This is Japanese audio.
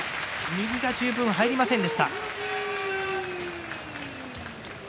右が十分入りませんでした。